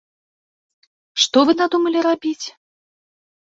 Што вы надумалі рабіць?